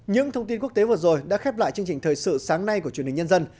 những thông tin quốc tế vừa rồi đã khép lại chương trình thời sự sáng nay của truyền hình nhân dân